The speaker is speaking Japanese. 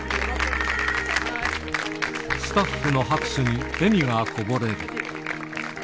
スタッフの拍手に笑みがこぼれる。